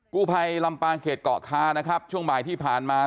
กู้ภัยลำปางเขตเกาะคานะครับช่วงบ่ายที่ผ่านมา